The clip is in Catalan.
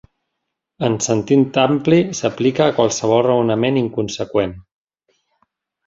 En sentit ampli, s'aplica a qualsevol raonament inconseqüent.